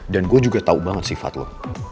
dan gue juga tau banget sifat lo